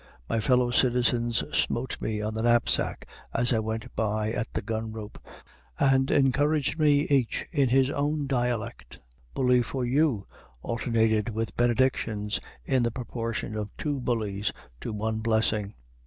My fellow citizens smote me on the knapsack, as I went by at the gun rope, and encouraged me each in his own dialect. "Bully for you!" alternated with benedictions, in the proportion of two "bullies" to one blessing.